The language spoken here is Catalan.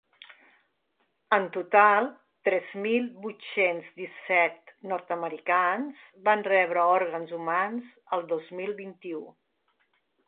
En total tres mil vuit-cents disset nord-americans van rebre òrgans humans el dos mil vint-i-u.